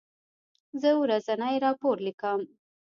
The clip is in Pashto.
زه ورځنی راپور لیکم.